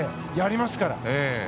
やりますから。